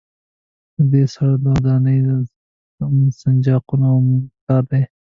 دې سره دوه دانې سنجاقونه او موم پکار دي.